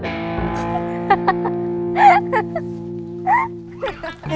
hei tunggu tunggu tunggu